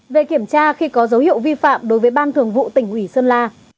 một về kiểm tra khi có dấu hiệu vi phạm đối với ban thường vụ tỉnh ủy sơn la